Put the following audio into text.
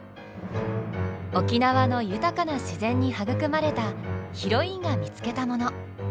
沖縄の豊かな自然に育まれたヒロインが見つけたもの。